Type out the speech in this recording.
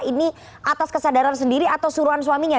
ini atas kesadaran sendiri atau suruhan suaminya